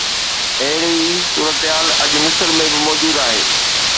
اهڙي ئي صورتحال اڄ مصر ۾ به موجود آهي.